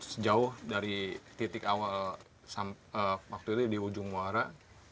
sejauh dari titik awal waktu itu di ujung muara